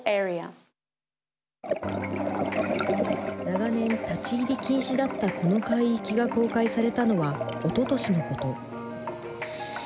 長年、立ち入り禁止だったこの海域が公開されたのはおととしのこと。